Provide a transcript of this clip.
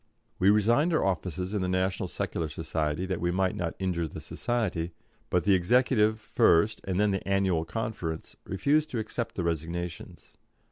We resigned our offices in the National Secular Society that we might not injure the society, but the executive first, and then the Annual Conference, refused to accept the resignations.